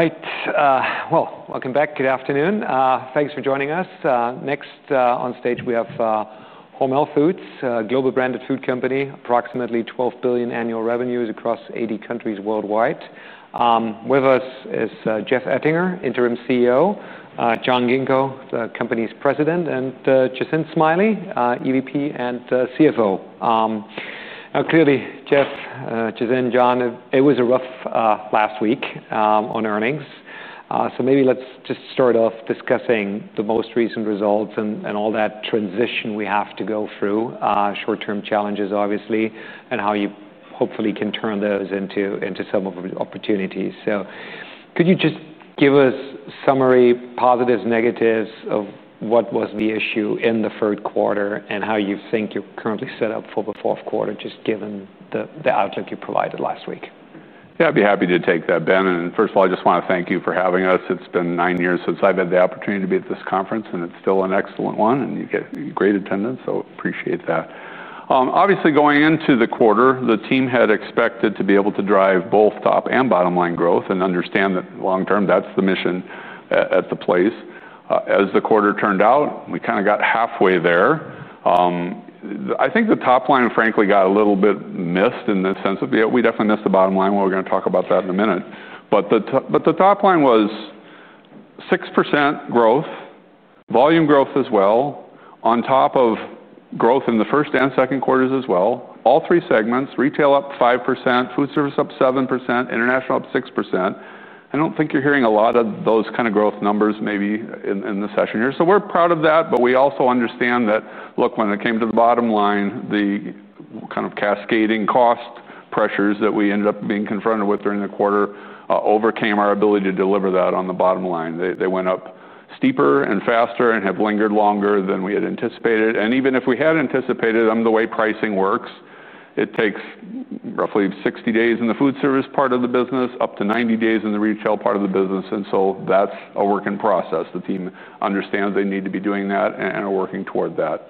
All right. Welcome back. Good afternoon. Thanks for joining us. Next, on stage, we have Hormel Foods, a global branded food company, approximately $12 billion annual revenues across 80 countries worldwide. With us is Jeff Ettinger, Interim CEO, John Ghingo, the company's president, and Jacinth Smiley, EVP and CFO. Now, clearly, Jeff, Jacinth, John, it was a rough last week on earnings. Maybe let's just start off discussing the most recent results and all that transition we have to go through, short-term challenges, obviously, and how you hopefully can turn those into some opportunities. So could you just give us summary, positives, negatives of what was the issue in the third quarter and how you think you're currently set up for the fourth quarter, just given the outlook you provided last week? Yeah, I'd be happy to take that, Ben, and first of all, I just wanna thank you for having us. It's been nine years since I've had the opportunity to be at this conference, and it's still an excellent one, and you get great attendance, so appreciate that. Obviously, going into the quarter, the team had expected to be able to drive both top and bottom line growth and understand that long term, that's the mission at the place. As the quarter turned out, we kinda got halfway there. I think the top line, frankly, got a little bit missed in the sense of, yeah, we definitely missed the bottom line. Well, we're gonna talk about that in a minute. But the top line was 6% growth, volume growth as well, on top of growth in the first and second quarters as well. All three segments, retail up 5%, food service up 7%, international up 6%. I don't think you're hearing a lot of those kinda growth numbers maybe in, in the session here. So we're proud of that, but we also understand that, look, when it came to the bottom line, the kind of cascading cost pressures that we ended up being confronted with during the quarter overcame our ability to deliver that on the bottom line. They, they went up steeper and faster and have lingered longer than we had anticipated. And even if we had anticipated them, the way pricing works, it takes roughly 60 days in the food service part of the business, up to 90 days in the retail part of the business, and so that's a work in process. The team understands they need to be doing that and are working toward that.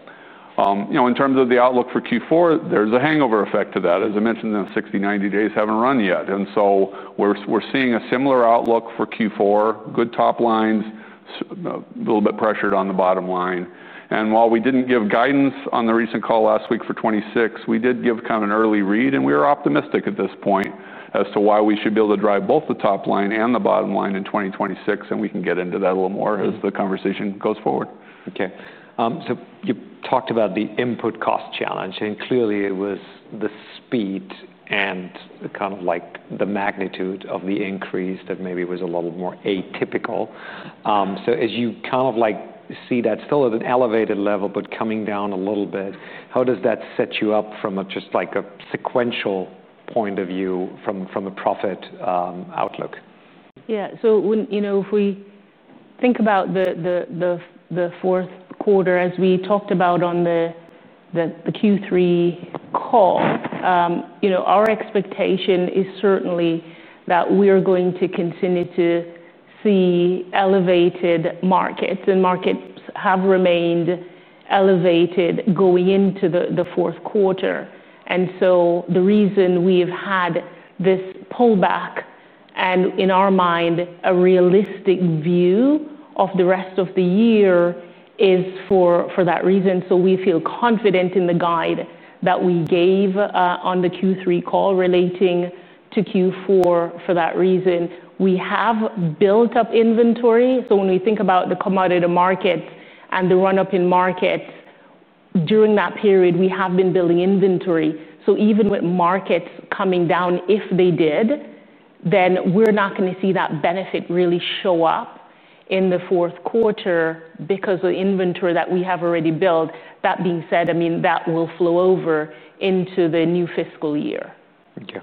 You know, in terms of the outlook for Q4, there's a hangover effect to that. As I mentioned, the 60, 90 days haven't run yet, and so we're seeing a similar outlook for Q4, good top lines, a little bit pressured on the bottom line. While we didn't give guidance on the recent call last week for 2026, we did give kind of an early read, and we're optimistic at this point as to why we should be able to drive both the top line and the bottom line in 2026, and we can get into that a little more as the conversation goes forward. Okay. So you talked about the input cost challenge, and clearly, it was the speed and kind of like the magnitude of the increase that maybe was a little more atypical. So as you kind of like see that still at an elevated level, but coming down a little bit, how does that set you up from a just like a sequential point of view from a profit outlook? Yeah. So you know, if we think about the fourth quarter, as we talked about on the Q3 call, you know, our expectation is certainly that we're going to continue to see elevated markets, and markets have remained elevated going into the fourth quarter, and so the reason we've had this pullback, and in our mind, a realistic view of the rest of the year, is for that reason, so we feel confident in the guide that we gave on the Q3 call relating to Q4 for that reason. We have built up inventory, so when we think about the commodity markets and the run-up in markets during that period, we have been building inventory. So even with markets coming down, if they did, then we're not gonna see that benefit really show up in the fourth quarter because of the inventory that we have already built. That being said, I mean, that will flow over into the new fiscal year. Okay.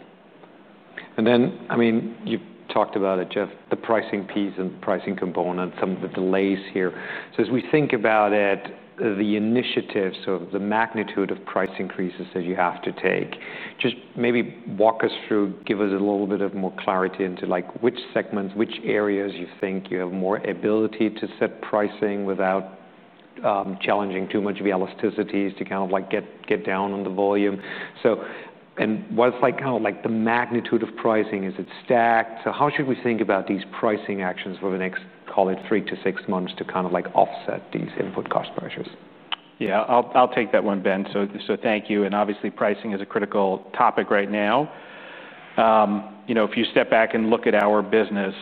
And then, I mean, you talked about it, Jeff, the pricing piece and pricing component, some of the delays here. So as we think about it, the initiatives or the magnitude of price increases that you have to take, just maybe walk us through, give us a little bit of more clarity into like, which segments, which areas you think you have more ability to set pricing without challenging too much of the elasticities to kind of like get down on the volume. So and what it's like, kind of like the magnitude of pricing, is it stacked? So how should we think about these pricing actions for the next, call it, three to six months to kind of like offset these input cost pressures? Yeah, I'll take that one, Ben. So thank you, and obviously, pricing is a critical topic right now. You know, if you step back and look at our business,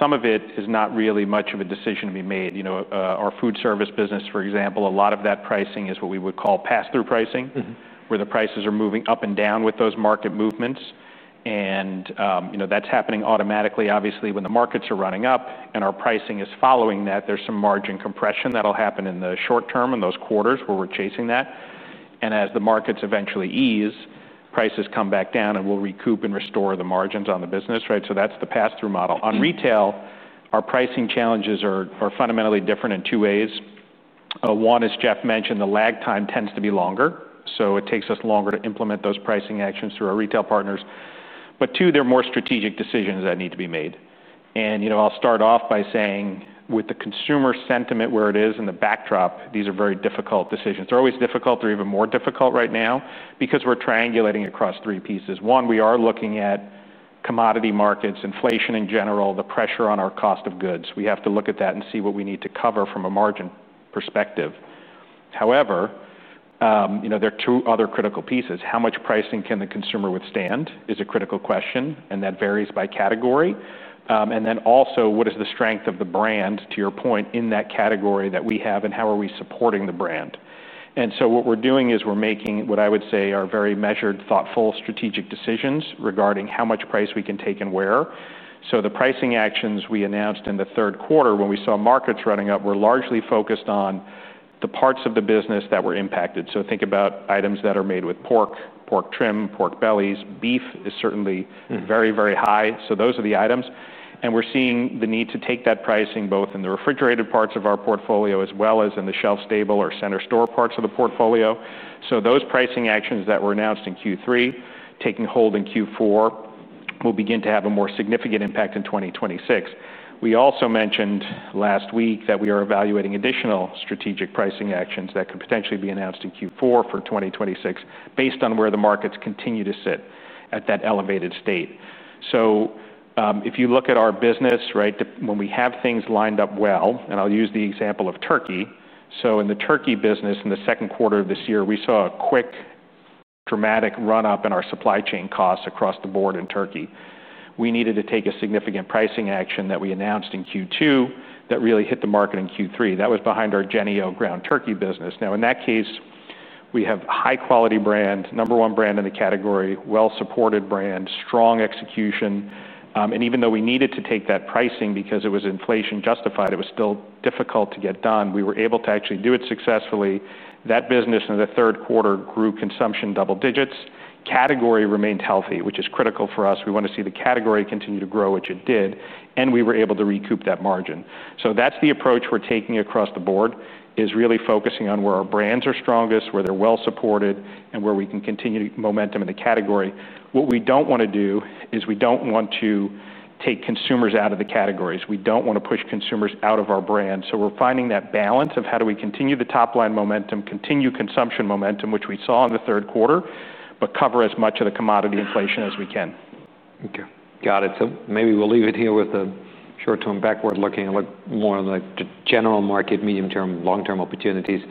some of it is not really much of a decision to be made. You know, our food service business, for example, a lot of that pricing is what we would call pass-through pricing where the prices are moving up and down with those market movements, and, you know, that's happening automatically. Obviously, when the markets are running up and our pricing is following that, there's some margin compression that'll happen in the short term, in those quarters where we're chasing that. And as the markets eventually ease, prices come back down, and we'll recoup and restore the margins on the business, right? So that's the pass-through model. On retail, our pricing challenges are fundamentally different in two ways. One, as Jeff mentioned, the lag time tends to be longer, so it takes us longer to implement those pricing actions through our retail partners. But two, they're more strategic decisions that need to be made. And, you know, I'll start off by saying with the consumer sentiment where it is and the backdrop, these are very difficult decisions. They're always difficult. They're even more difficult right now because we're triangulating across three pieces. One, we are looking at commodity markets, inflation in general, the pressure on our cost of goods. We have to look at that and see what we need to cover from a margin perspective. However, you know, there are two other critical pieces: how much pricing can the consumer withstand is a critical question, and that varies by category. And then also, what is the strength of the brand, to your point, in that category that we have, and how are we supporting the brand? And so what we're doing is we're making, what I would say, are very measured, thoughtful, strategic decisions regarding how much price we can take and where. So the pricing actions we announced in the third quarter when we saw markets running up were largely focused on the parts of the business that were impacted. So think about items that are made with pork, pork trim, pork bellies. Beef is certainly very high. So those are the items, and we're seeing the need to take that pricing both in the refrigerated parts of our portfolio as well as in the shelf-stable or center store parts of the portfolio. So those pricing actions that were announced in Q3, taking hold in Q4, will begin to have a more significant impact in 2026. We also mentioned last week that we are evaluating additional strategic pricing actions that could potentially be announced in Q4 for 2026 based on where the markets continue to sit at that elevated state. So, if you look at our business, right, when we have things lined up well, and I'll use the example of turkey. So in the turkey business, in the second quarter of this year, we saw a quick, dramatic run-up in our supply chain costs across the board in turkey. We needed to take a significant pricing action that we announced in Q2 that really hit the market in Q3. That was behind our Jennie-O Ground Turkey business. Now, in that case, we have a high-quality brand, number one brand in the category, well-supported brand, strong execution. And even though we needed to take that pricing because it was inflation-justified, it was still difficult to get done. We were able to actually do it successfully. That business in the third quarter grew consumption double digits. Category remained healthy, which is critical for us. We want to see the category continue to grow, which it did, and we were able to recoup that margin. So that's the approach we're taking across the board, is really focusing on where our brands are strongest, where they're well-supported, and where we can continue momentum in the category. What we don't want to do is we don't want to take consumers out of the categories. We don't want to push consumers out of our brand. So we're finding that balance of how do we continue the top-line momentum, continue consumption momentum, which we saw in the third quarter, but cover as much of the commodity inflation as we can. Okay, got it. So maybe we'll leave it here with a short-term backward looking and look more on the general market, medium-term, long-term opportunities.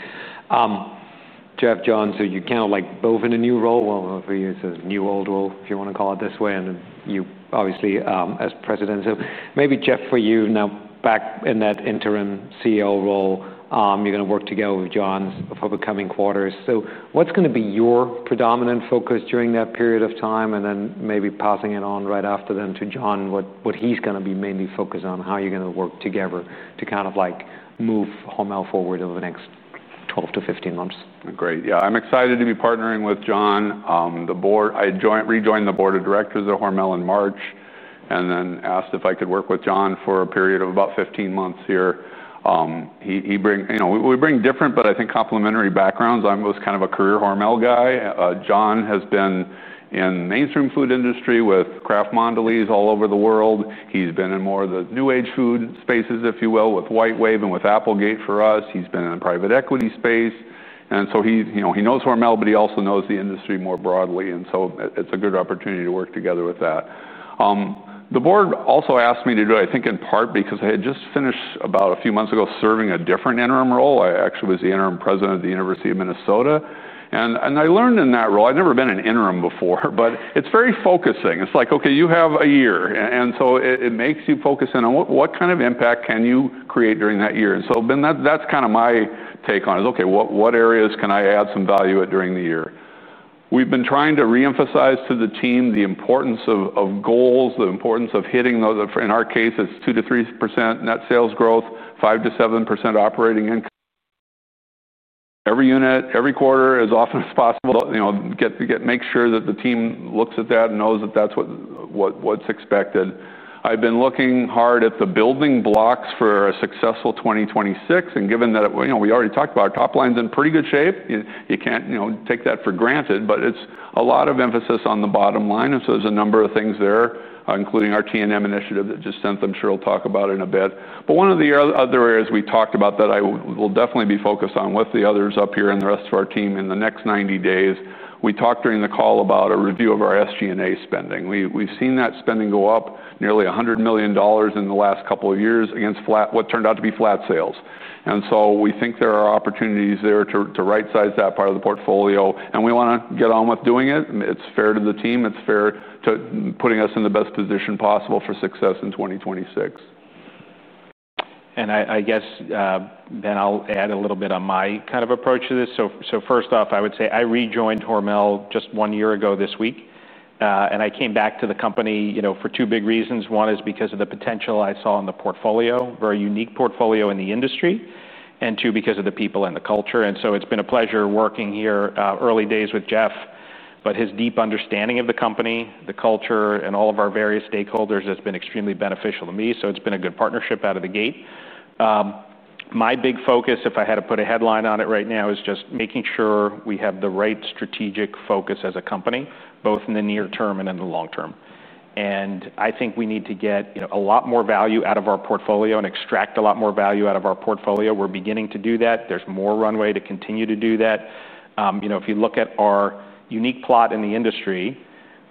Jeff, John, so you kind of like both in a new role, well, for you, it's a new, old role, if you want to call it this way, and then you obviously, as president. So maybe, Jeff, for you, now back in that Interim CEO role, you're going to work together with John for the coming quarters. So what's going to be your predominant focus during that period of time? And then maybe passing it on right after then to John, what he's going to be mainly focused on, how you're going to work together to kind of like move Hormel forward over the next 12 to 15 months. Great. Yeah, I'm excited to be partnering with John. The board. I rejoined the board of directors at Hormel in March, and then asked if I could work with John for a period of about fifteen months here. You know, we bring different, but I think complementary backgrounds. I'm most kind of a career Hormel guy. John has been in the mainstream food industry with Kraft, Mondelēz all over the world. He's been in more of the new age food spaces, if you will, with WhiteWave and with Applegate for us. He's been in the private equity space, and so he, you know, he knows Hormel, but he also knows the industry more broadly, and so it, it's a good opportunity to work together with that. The board also asked me to do it, I think, in part because I had just finished about a few months ago, serving a different interim role. I actually was the interim president of the University of Minnesota, and I learned in that role, I've never been an interim before, but it's very focusing. It's like, okay, you have a year, and so it makes you focus in on what kind of impact can you create during that year? And so that's kind of my take on it. Okay, what areas can I add some value at during the year? We've been trying to reemphasize to the team the importance of goals, the importance of hitting those. In our case, it's 2%-3% net sales growth, 5%-7% operating income. Every unit, every quarter, as often as possible, you know, get make sure that the team looks at that and knows that that's what's expected. I've been looking hard at the building blocks for a successful 2026, and given that, you know, we already talked about our top line's in pretty good shape. You can't, you know, take that for granted, but it's a lot of emphasis on the bottom line. And so there's a number of things there, including our T&M initiative that Jacinth I'm sure we'll talk about in a bit. But one of the other areas we talked about that I will definitely be focused on with the others up here and the rest of our team in the next 90 days. We talked during the call about a review of our SG&A spending. We've seen that spending go up nearly $100 million in the last couple of years against flat, what turned out to be flat sales. So we think there are opportunities there to rightsize that part of the portfolio, and we want to get on with doing it. It's fair to the team. It's fair to putting us in the best position possible for success in 2026. I guess then I'll add a little bit on my kind of approach to this. So first off, I would say I rejoined Hormel just one year ago this week, and I came back to the company, you know, for two big reasons. One is because of the potential I saw in the portfolio, a very unique portfolio in the industry, and two, because of the people and the culture. And so it's been a pleasure working here, early days with Jeff, but his deep understanding of the company, the culture, and all of our various stakeholders has been extremely beneficial to me, so it's been a good partnership out of the gate. My big focus, if I had to put a headline on it right now, is just making sure we have the right strategic focus as a company, both in the near term and in the long term. And I think we need to get, you know, a lot more value out of our portfolio and extract a lot more value out of our portfolio. We're beginning to do that. There's more runway to continue to do that. You know, if you look at our unique plot in the industry.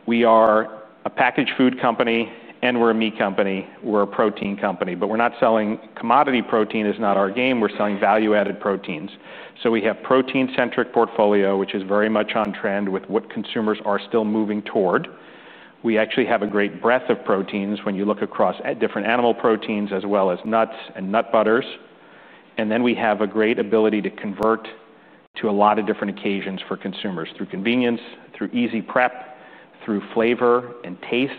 We are a packaged food company, and we're a meat company. We're a protein company, but we're not selling commodity protein. It's not our game, we're selling value-added proteins. So we have protein-centric portfolio, which is very much on trend with what consumers are still moving toward. We actually have a great breadth of proteins when you look across at different animal proteins, as well as nuts and nut butters. And then we have a great ability to convert to a lot of different occasions for consumers through convenience, through easy prep, through flavor and taste,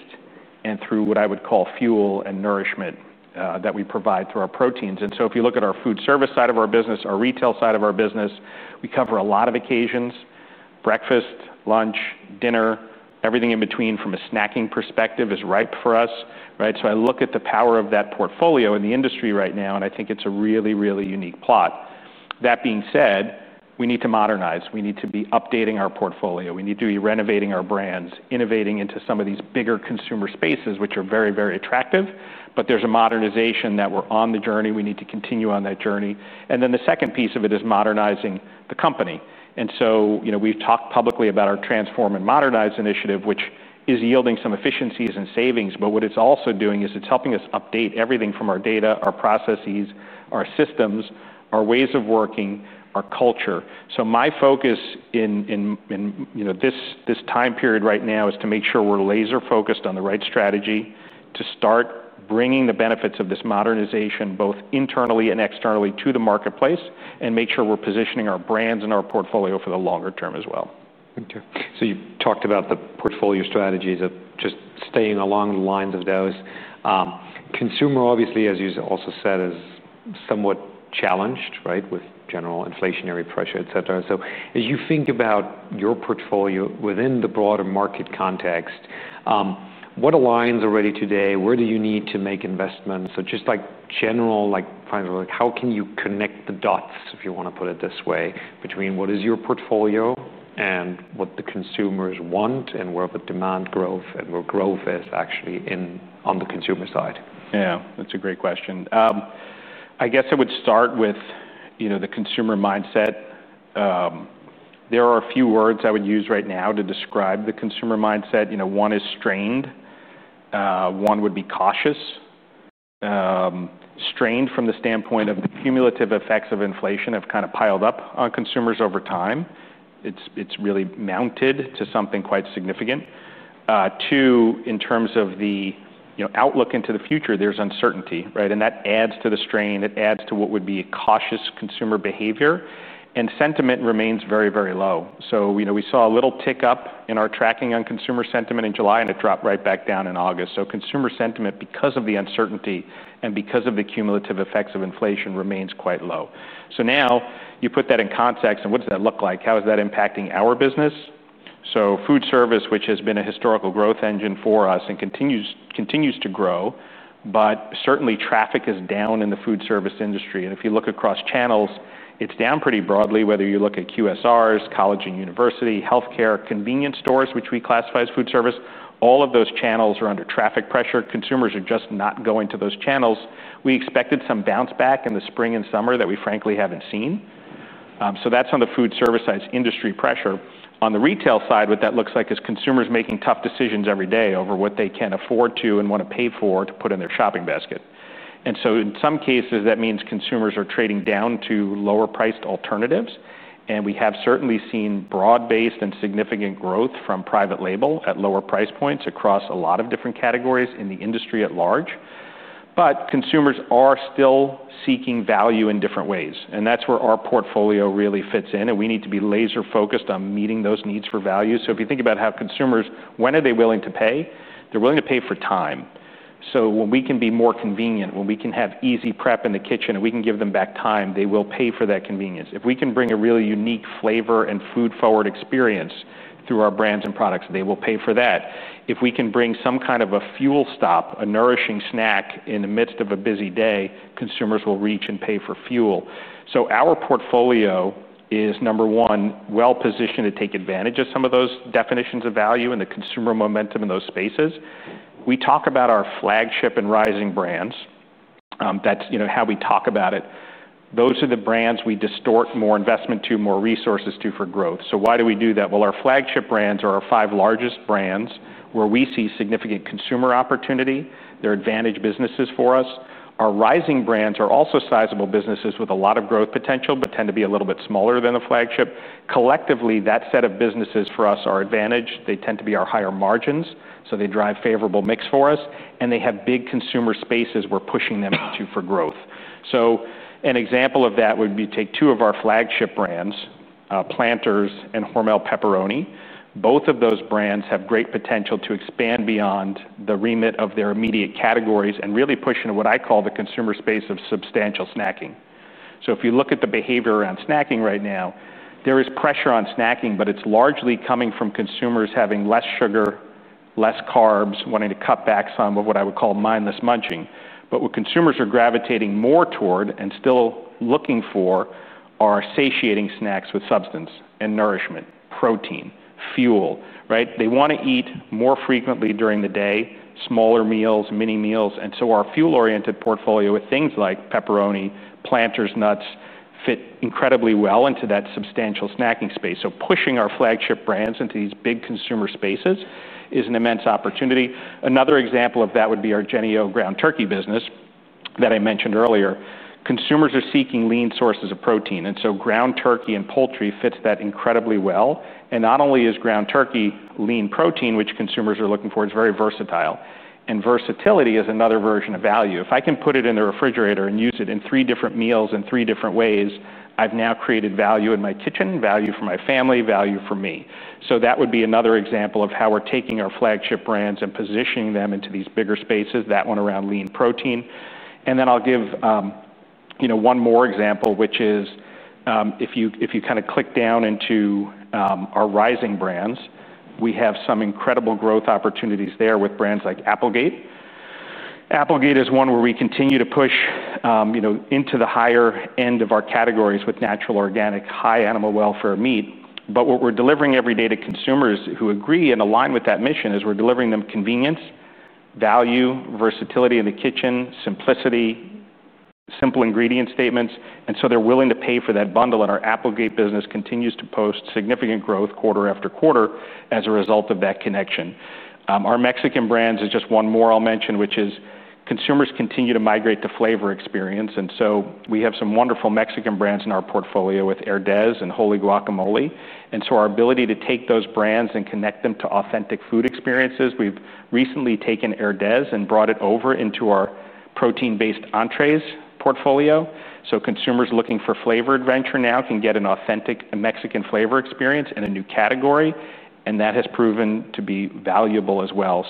and through what I would call fuel and nourishment, that we provide through our proteins. And so if you look at our food service side of our business, our retail side of our business, we cover a lot of occasions: breakfast, lunch, dinner, everything in between from a snacking perspective is ripe for us, right? So I look at the power of that portfolio in the industry right now, and I think it's a really, really unique plot. That being said, we need to modernize. We need to be updating our portfolio. We need to be renovating our brands, innovating into some of these bigger consumer spaces, which are very, very attractive. But there's a modernization that we're on the journey. We need to continue on that journey. And then the second piece of it is modernizing the company. And so, you know, we've talked publicly about our Transform and Modernize initiative, which is yielding some efficiencies and savings, but what it's also doing is it's helping us update everything from our data, our processes, our systems, our ways of working, our culture. So my focus in you know this time period right now is to make sure we're laser-focused on the right strategy to start bringing the benefits of this modernization, both internally and externally, to the marketplace, and make sure we're positioning our brands and our portfolio for the longer term as well. Thank you. So you talked about the portfolio strategies of just staying along the lines of those. Consumer, obviously, as you also said, is somewhat challenged, right, with general inflationary pressure, et cetera. So as you think about your portfolio within the broader market context, what aligns already today? Where do you need to make investments? So just, like, general, like, kind of like, how can you connect the dots, if you want to put it this way, between what is your portfolio and what the consumers want, and where the demand growth and where growth is actually on the consumer side? Yeah, that's a great question. I guess I would start with, you know, the consumer mindset. There are a few words I would use right now to describe the consumer mindset. You know, one is strained, one would be cautious. Strained from the standpoint of the cumulative effects of inflation have kind of piled up on consumers over time. It's, it's really mounted to something quite significant. Two, in terms of the, you know, outlook into the future, there's uncertainty, right? And that adds to the strain, it adds to what would be a cautious consumer behavior, and sentiment remains very, very low. So, you know, we saw a little tick-up in our tracking on consumer sentiment in July, and it dropped right back down in August. So consumer sentiment, because of the uncertainty and because of the cumulative effects of inflation, remains quite low. So now, you put that in context, and what does that look like? How is that impacting our business? So food service, which has been a historical growth engine for us and continues to grow, but certainly traffic is down in the food service industry. And if you look across channels, it's down pretty broadly, whether you look at QSRs, college and university, healthcare, convenience stores, which we classify as food service, all of those channels are under traffic pressure. Consumers are just not going to those channels. We expected some bounce back in the spring and summer that we frankly haven't seen. So that's on the food service side's industry pressure. On the retail side, what that looks like is consumers making tough decisions every day over what they can afford to and want to pay for to put in their shopping basket. And so in some cases, that means consumers are trading down to lower-priced alternatives, and we have certainly seen broad-based and significant growth from private label at lower price points across a lot of different categories in the industry at large. But consumers are still seeking value in different ways, and that's where our portfolio really fits in, and we need to be laser-focused on meeting those needs for value. So if you think about how consumers... When are they willing to pay? They're willing to pay for time. So when we can be more convenient, when we can have easy prep in the kitchen and we can give them back time, they will pay for that convenience. If we can bring a really unique flavor and food-forward experience through our brands and products, they will pay for that. If we can bring some kind of a fuel stop, a nourishing snack in the midst of a busy day, consumers will reach and pay for fuel. So our portfolio is, number one, well-positioned to take advantage of some of those definitions of value and the consumer momentum in those spaces. We talk about our flagship and rising brands. That's, you know, how we talk about it. Those are the brands we devote more investment to, more resources to for growth. So why do we do that? Well, our flagship brands are our five largest brands, where we see significant consumer opportunity. They're advantaged businesses for us. Our rising brands are also sizable businesses with a lot of growth potential, but tend to be a little bit smaller than a flagship. Collectively, that set of businesses for us are advantaged. They tend to be our higher margins, so they drive favorable mix for us, and they have big consumer spaces we're pushing them into for growth. So an example of that would be take two of our flagship brands, Planters and Hormel Pepperoni. Both of those brands have great potential to expand beyond the remit of their immediate categories and really push into what I call the consumer space of substantial snacking. So if you look at the behavior around snacking right now, there is pressure on snacking, but it's largely coming from consumers having less sugar, less carbs, wanting to cut back some of what I would call mindless munching. But what consumers are gravitating more toward and still looking for are satiating snacks with substance and nourishment, protein, fuel, right? They want to eat more frequently during the day, smaller meals, mini meals, and so our fuel-oriented portfolio with things like pepperoni, Planters nuts fit incredibly well into that substantial snacking space, so pushing our flagship brands into these big consumer spaces is an immense opportunity. Another example of that would be our Jennie-O ground turkey business that I mentioned earlier. Consumers are seeking lean sources of protein, and so ground turkey and poultry fits that incredibly well, and not only is ground turkey lean protein, which consumers are looking for, it's very versatile, and versatility is another version of value. If I can put it in a refrigerator and use it in three different meals in three different ways, I've now created value in my kitchen, value for my family, value for me. So that would be another example of how we're taking our flagship brands and positioning them into these bigger spaces, that one around lean protein. And then I'll give, you know, one more example, which is, if you kind of click down into, our rising brands, we have some incredible growth opportunities there with brands like Applegate. Applegate is one where we continue to push, you know, into the higher end of our categories with natural, organic, high animal welfare meat. But what we're delivering every day to consumers who agree and align with that mission, is we're delivering them convenience, value, versatility in the kitchen, simplicity, simple ingredient statements, and so they're willing to pay for that bundle. And our Applegate business continues to post significant growth quarter after quarter as a result of that connection. Our Mexican brands is just one more I'll mention, which is consumers continue to migrate to flavor experience, and so we have some wonderful Mexican brands in our portfolio with Herdez and Wholly Guacamole. Our ability to take those brands and connect them to authentic food experiences—we've recently taken Herdez and brought it over into our protein-based entrees portfolio. Consumers looking for flavor adventure now can get an authentic Mexican flavor experience in a new category, and that has proven to be valuable as well.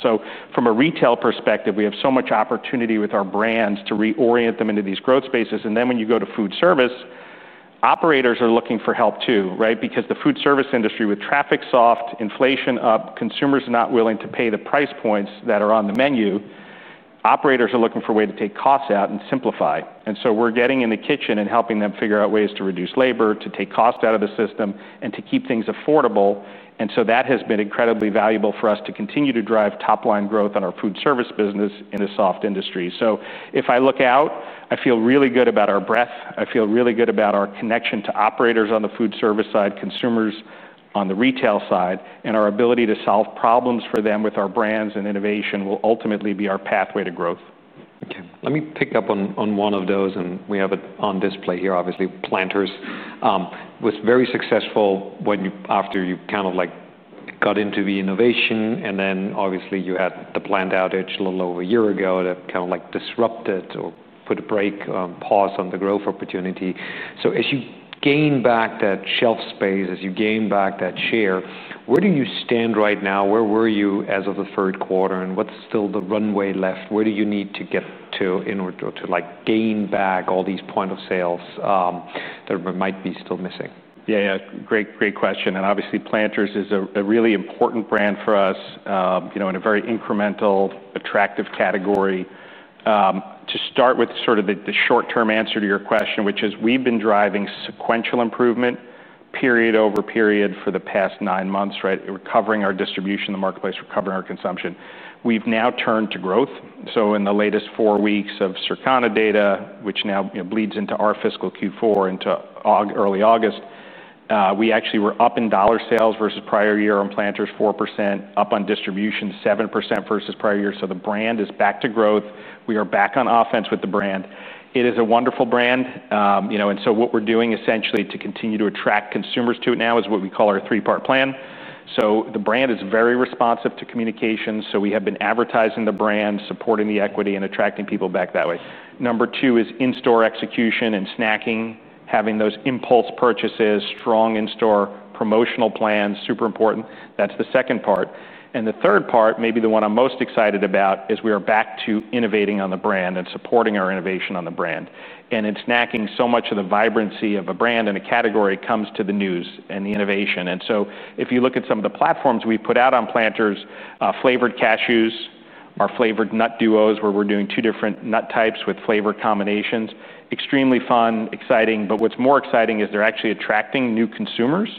From a retail perspective, we have so much opportunity with our brands to reorient them into these growth spaces. When you go to food service, operators are looking for help, too, right? Because the food service industry, with traffic soft, inflation up, consumers not willing to pay the price points that are on the menu, operators are looking for a way to take costs out and simplify, and so we're getting in the kitchen and helping them figure out ways to reduce labor, to take cost out of the system, and to keep things affordable, and so that has been incredibly valuable for us to continue to drive top-line growth on our food service business in a soft industry, so if I look out, I feel really good about our breadth, I feel really good about our connection to operators on the food service side, consumers on the retail side, and our ability to solve problems for them with our brands and innovation will ultimately be our pathway to growth. Okay, let me pick up on one of those, and we have it on display here. Obviously, Planters was very successful when you after you kind of, like, got into the innovation, and then obviously you had the plant outage a little over a year ago, that kind of, like, disrupted or put a break, pause on the growth opportunity. So as you gain back that shelf space, as you gain back that share, where do you stand right now? Where were you as of the third quarter, and what's still the runway left? Where do you need to get to in order to, like, gain back all these point of sales that might be still missing? Yeah, yeah, great, great question, and obviously, Planters is a, a really important brand for us, you know, in a very incremental, attractive category. To start with sort of the short-term answer to your question, which is we've been driving sequential improvement period over period for the past nine months, right? Recovering our distribution in the marketplace, recovering our consumption. We've now turned to growth. So in the latest four weeks of Circana data, which now, you know, bleeds into our fiscal Q4 into early August, we actually were up in dollar sales versus prior year on Planters, 4%, up on distribution, 7% versus prior year. So the brand is back to growth. We are back on offense with the brand. It is a wonderful brand, you know, and so what we're doing essentially to continue to attract consumers to it now is what we call our three-part plan, so the brand is very responsive to communication, so we have been advertising the brand, supporting the equity, and attracting people back that way. Number two is in-store execution and snacking, having those impulse purchases, strong in-store promotional plans, super important. That's the second part, and the third part, maybe the one I'm most excited about, is we are back to innovating on the brand and supporting our innovation on the brand, and in snacking, so much of the vibrancy of a brand and a category comes to the news and the innovation. And so if you look at some of the platforms we've put out on Planters, flavored cashews, our flavored nut duos, where we're doing two different nut types with flavor combinations, extremely fun, exciting. But what's more exciting is they're actually attracting new consumers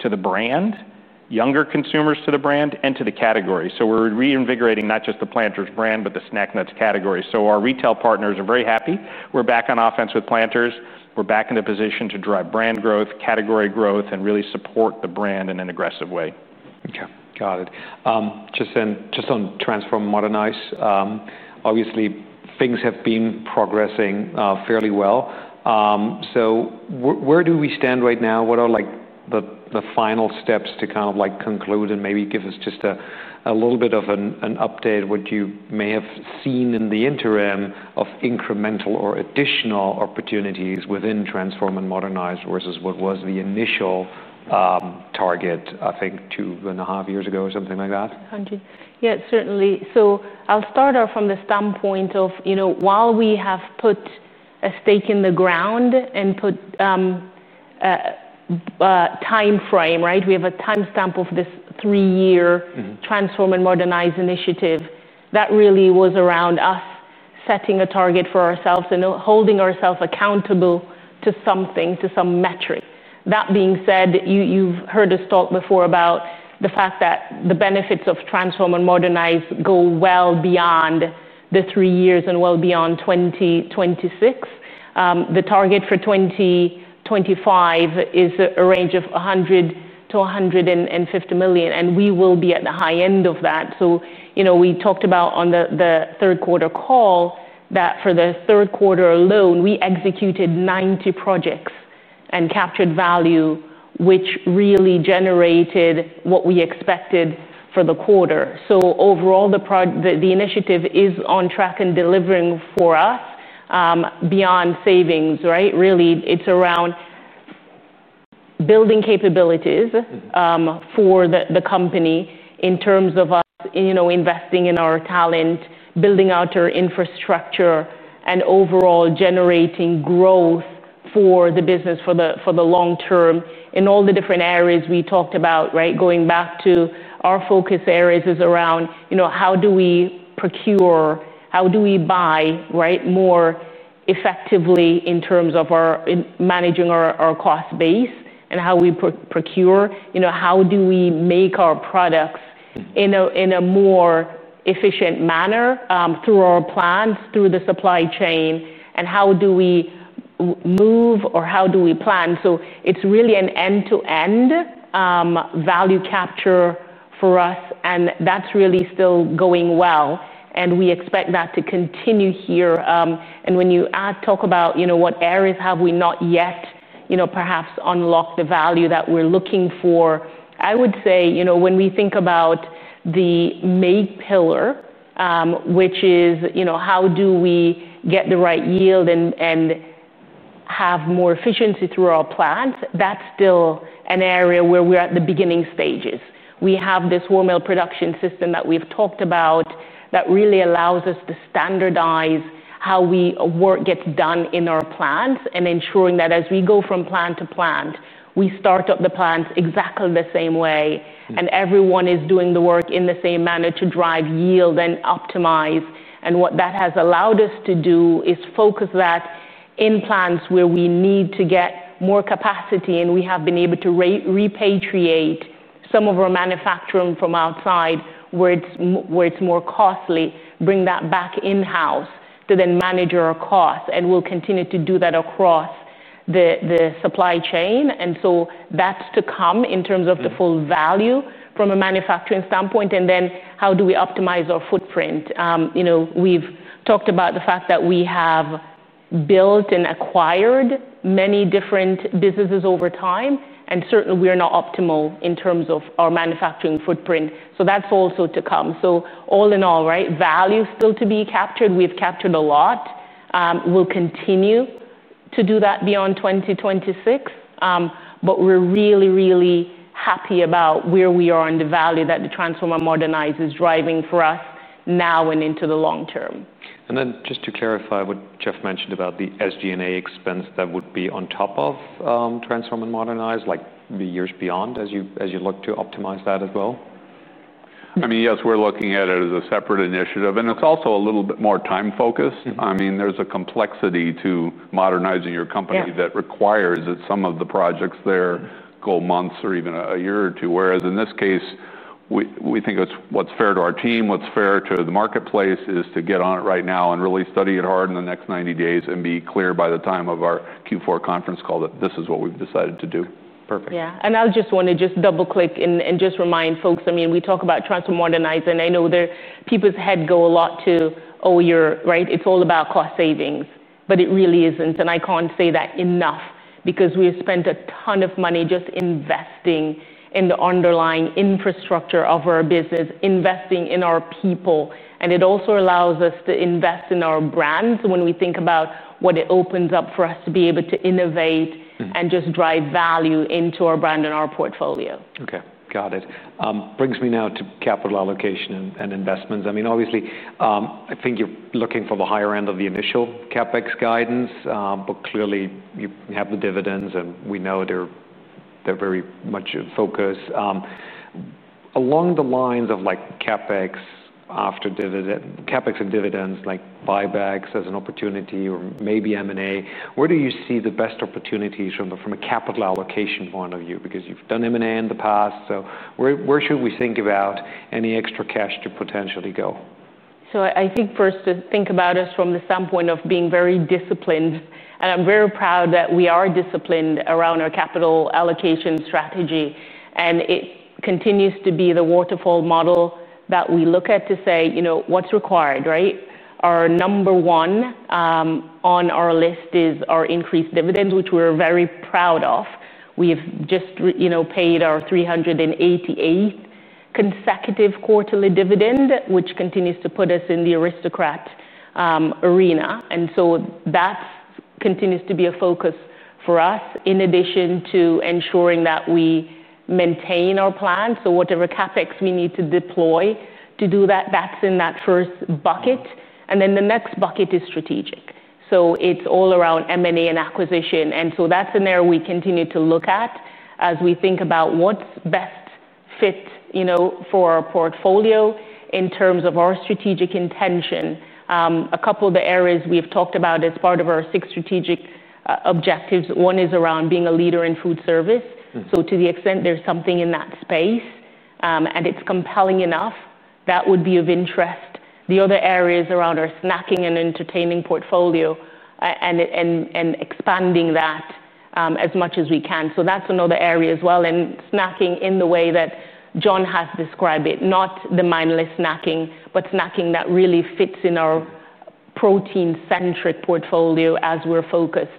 to the brand, younger consumers to the brand and to the category. So we're reinvigorating not just the Planters brand, but the snack nuts category. So our retail partners are very happy. We're back on offense with Planters. We're back in a position to drive brand growth, category growth, and really support the brand in an aggressive way. Okay, got it. Just on, just on Transform and Modernize, obviously, things have been progressing fairly well. So where do we stand right now? What are, like, the final steps to kind of, like, conclude and maybe give us just a little bit of an update, what you may have seen in the interim of incremental or additional opportunities within Transform and Modernize, versus what was the initial target, I think, two and a half years ago or something like that? Thank you. Yeah, certainly. So I'll start off from the standpoint of, you know, while we have put a stake in the ground and put a timeframe, right? We have a timestamp of this three-year- Transform and Modernize initiative. That really was around us setting a target for ourselves and holding ourselves accountable to something, to some metric. That being said, you've heard us talk before about the fact that the benefits of Transform and Modernize go well beyond the three years and well beyond 2026. The target for 2025 is a range of $100 million-$150 million, and we will be at the high end of that. So, you know, we talked about on the third quarter call that for the third quarter alone, we executed 90 projects and captured value, which really generated what we expected for the quarter. So overall, the initiative is on track and delivering for us beyond savings, right? Really, it's around building capabilities for the company in terms of us, you know, investing in our talent, building out our infrastructure, and overall generating growth for the business for the long term in all the different areas we talked about, right? Going back to our focus areas is around, you know, how do we procure, how do we buy, right, more effectively in terms of managing our cost base and how we procure? You know, how do we make our products in a more efficient manner through our plants, through the supply chain, and how do we move or how do we plan? So it's really an end-to-end value capture for us, and that's really still going well, and we expect that to continue here. And when you talk about, you know, what areas have we not yet, you know, perhaps unlocked the value that we're looking for, I would say, you know, when we think about the make pillar, which is, you know, how do we get the right yield and have more efficiency through our plants, that's still an area where we're at the beginning stages. We have this Hormel production system that we've talked about that really allows us to standardize how we work gets done in our plants, and ensuring that as we go from plant to plant, we start up the plants exactly the same way, and everyone is doing the work in the same manner to drive yield and optimize. And what that has allowed us to do is focus that in plants where we need to get more capacity, and we have been able to repatriate some of our manufacturing from outside, where it's more costly, bring that back in-house to then manage our costs. And we'll continue to do that across the supply chain. And so that's to come in terms of the full value from a manufacturing standpoint, and then how do we optimize our footprint? You know, we've talked about the fact that we have built and acquired many different businesses over time, and certainly, we're not optimal in terms of our manufacturing footprint, so that's also to come. So all in all, right, value is still to be captured. We've captured a lot. We'll continue to do that beyond 2026, but we're really, really happy about where we are and the value that the Transform and Modernize is driving for us now and into the long term. And then just to clarify what Jeff mentioned about the SG&A expense, that would be on top of transform and modernize, like the years beyond, as you look to optimize that as well? I mean, yes, we're looking at it as a separate initiative, and it's also a little bit more time-focused. I mean, there's a complexity to modernizing your company that requires that some of the projects there go months or even a year or two. Whereas in this case, we think it's what's fair to our team, what's fair to the marketplace, is to get on it right now and really study it hard in the next ninety days and be clear by the time of our Q4 conference call that this is what we've decided to do. Perfect. Yeah. And I just wanna double-click and just remind folks, I mean, we talk about transform, modernize, and I know people's heads go a lot to: Oh, you're... Right? It's all about cost savings. But it really isn't, and I can't say that enough because we've spent a ton of money just investing in the underlying infrastructure of our business, investing in our people, and it also allows us to invest in our brands when we think about what it opens up for us to be able to innovate and just drive value into our brand and our portfolio. Okay, got it. Brings me now to capital allocation and investments. I mean, obviously, I think you're looking for the higher end of the initial CapEx guidance, but clearly, you have the dividends, and we know they're very much in focus. Along the lines of, like, CapEx after dividend-- CapEx and dividends, like buybacks as an opportunity or maybe M&A, where do you see the best opportunities from a capital allocation point of view? Because you've done M&A in the past, so where should we think about any extra cash to potentially go? I think first, to think about us from the standpoint of being very disciplined, and I'm very proud that we are disciplined around our capital allocation strategy, and it continues to be the Waterfall model that we look at to say, you know, what's required, right? Our number one on our list is our increased dividend, which we're very proud of. We've just you know, paid our 388th consecutive quarterly dividend, which continues to put us in the Aristocrats arena. And so that continues to be a focus for us, in addition to ensuring that we maintain our plan. So whatever CapEx we need to deploy to do that, that's in that first bucket. And then the next bucket is strategic, so it's all around M&A and acquisition. And so that's an area we continue to look at as we think about what's best fit, you know, for our portfolio in terms of our strategic intention. A couple of the areas we've talked about as part of our six strategic objectives, one is around being a leader in food service. So to the extent there's something in that space, and it's compelling enough, that would be of interest. The other area is around our snacking and entertaining portfolio, and expanding that, as much as we can. So that's another area as well, and snacking in the way that John has described it, not the mindless snacking, but snacking that really fits in our protein-centric portfolio as we're focused.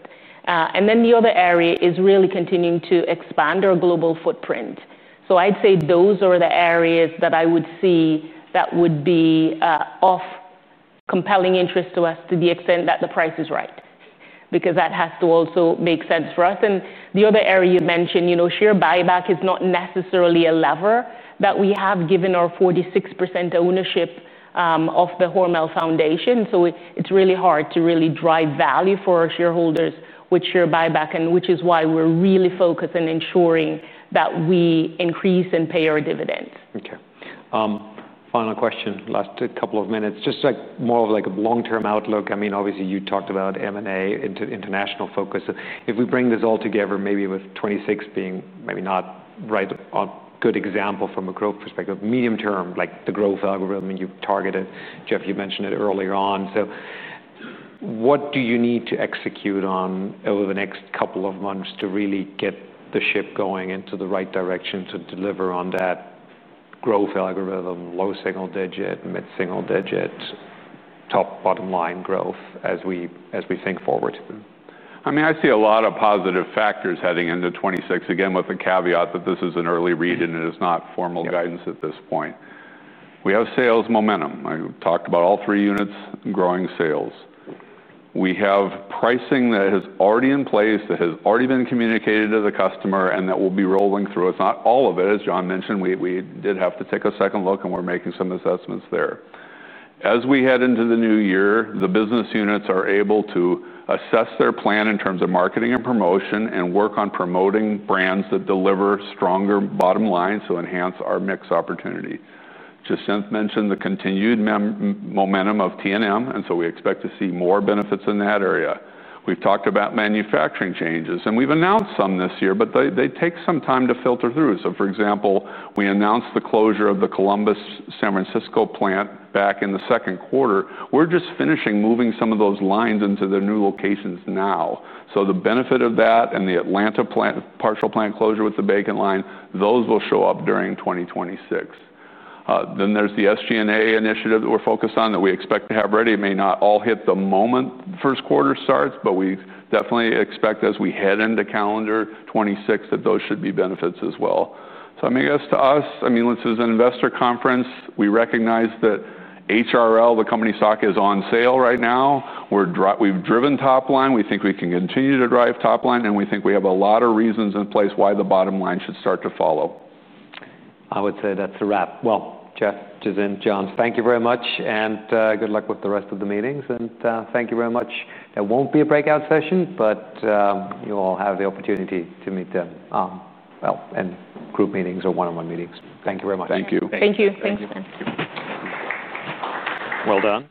And then the other area is really continuing to expand our global footprint. So I'd say those are the areas that I would see that would be of compelling interest to us, to the extent that the price is right, because that has to also make sense for us. And the other area you mentioned, you know, share buyback is not necessarily a lever that we have, given our 46% ownership of the Hormel Foundation. So it's really hard to really drive value for our shareholders with share buyback, and which is why we're really focused on ensuring that we increase and pay our dividends. Okay. Final question, last couple of minutes. Just, like, more of, like, a long-term outlook. I mean, obviously, you talked about M&A, international focus. If we bring this all together, maybe with 2026 being maybe not right, a good example from a growth perspective, medium term, like the growth algorithm that you've targeted, Jeff, you mentioned it earlier on. So what do you need to execute on over the next couple of months to really get the ship going into the right direction to deliver on that growth algorithm, low single digit, mid-single digit, top line-bottom line growth as we think forward? I mean, I see a lot of positive factors heading into 2026, again, with the caveat that this is an early read, and it is not formal guidance at this point. We have sales momentum. I talked about all three units growing sales. We have pricing that is already in place, that has already been communicated to the customer, and that will be rolling through. It's not all of it, as John mentioned, we did have to take a second look, and we're making some assessments there. As we head into the new year, the business units are able to assess their plan in terms of marketing and promotion and work on promoting brands that deliver stronger bottom line to enhance our mix opportunity. Jacinth mentioned the continued momentum of T&M, and so we expect to see more benefits in that area. We've talked about manufacturing changes, and we've announced some this year, but they take some time to filter through. For example, we announced the closure of the Columbus San Francisco plant back in the second quarter. We're just finishing moving some of those lines into their new locations now. The benefit of that and the Atlanta plant partial plant closure with the bacon line, those will show up during 2026. Then there's the SG&A initiative that we're focused on that we expect to have ready. It may not all hit the moment first quarter starts, but we definitely expect as we head into calendar 2026, that those should be benefits as well. I guess to us, I mean, this is an investor conference. We recognize that HRL, the company stock, is on sale right now. We've driven top line. We think we can continue to drive top line, and we think we have a lot of reasons in place why the bottom line should start to follow. I would say that's a wrap, well, Jeff, Jacinth, John, thank you very much, and good luck with the rest of the meetings and thank you very much. There won't be a breakout session, but you all have the opportunity to meet them, well, in group meetings or one-on-one meetings. Thank you very much. Thank you. Thank you. Thanks. Well done.